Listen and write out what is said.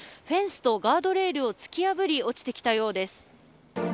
フェンスとガードレールを突き破り落ちてきたようです。